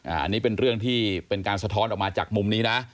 อันนี้เป็นเรื่องที่เป็นการสะท้อนออกมาจากมุมนี้นะ